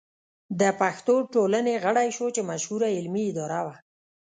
د پښتو ټولنې غړی شو چې مشهوره علمي اداره وه.